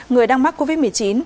người đang mắc covid một mươi chín